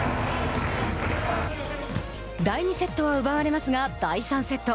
第２セットは奪われますが第３セット。